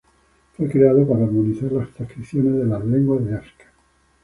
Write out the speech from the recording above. Fue creado para armonizar las transcripciones de las lenguas de África.